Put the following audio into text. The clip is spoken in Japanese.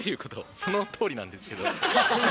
そのとおりなんですけど。